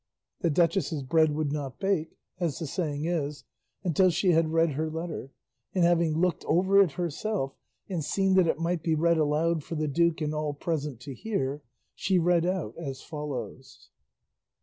The duchess's bread would not bake, as the saying is, until she had read her letter; and having looked over it herself and seen that it might be read aloud for the duke and all present to hear, she read out as follows.